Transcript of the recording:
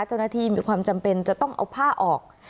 เจ้าหน้าที่มีความจำเป็นจะต้องเอาผ้าออก